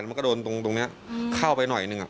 มันก็โดนตรงนี้เข้าไปหน่อยหนึ่ง